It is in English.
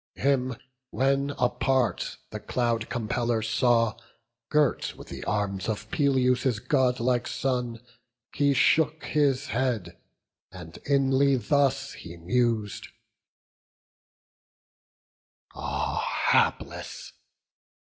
Him when apart the Cloud compeller saw Girt with the arms of Peleus' godlike son, He shook his head, and inly thus he mus'd: "Ah hapless!